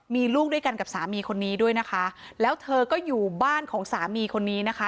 มีลูกด้วยกันกับสามีคนนี้ด้วยนะคะแล้วเธอก็อยู่บ้านของสามีคนนี้นะคะ